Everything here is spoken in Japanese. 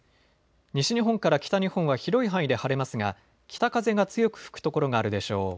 西日本から北日本は広い範囲で晴れますが北風が強く吹く所があるでしょう。